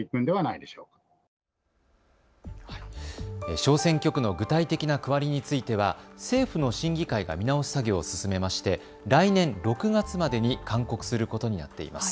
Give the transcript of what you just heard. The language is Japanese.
小選挙区の具体的な区割りについては政府の審議会が見直し作業を進めまして来年６月までに勧告することになっています。